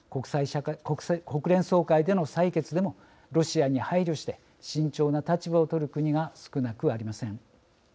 国連総会での採決でもロシアに配慮して慎重な立場を取る国が少なくありません。